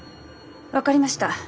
分かりました。